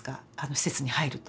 施設に入ると。